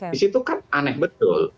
di situ kan aneh betul